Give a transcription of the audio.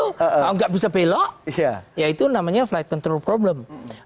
kalau nggak bisa belok ya itu namanya flight control problem